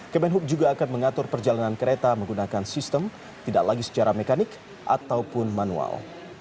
kemenhub juga akan mengatur perjalanan kereta menggunakan sistem tidak lagi secara mekanik ataupun manual